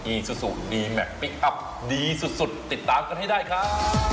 อซูซูดีแมคพลิกอัพดีสุดติดตามกันให้ได้ครับ